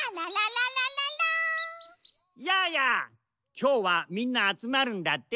きょうはみんなあつまるんだって？